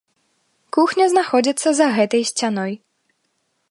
Кухня знаходзіцца за гэтай сцяной.